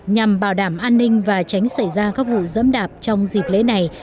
nhằm bảo đảm an ninh và tránh xảy ra các vụ dẫm đạp trong dịp lễ này